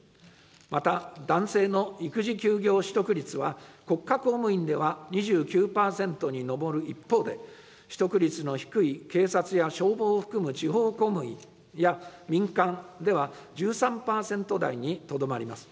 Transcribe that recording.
また、男性の育児休業取得率は、国家公務員では２９％に上る一方で、取得率の低い警察や消防を含む地方公務員や民間では、１３％台にとどまります。